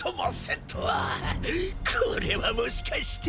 これはもしかして！